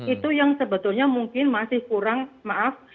itu yang sebetulnya mungkin masih kurang maaf